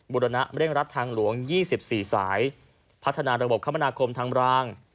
บรณะเร่งรัดทางหลวงยี่สิบสี่สายพัฒนาระบบคำบรรณาคมทางบราง